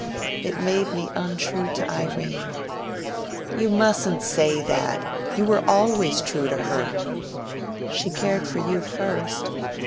"It made me untrue to Irene." "You mustn't say that! You were always true to her." "She cared for you first."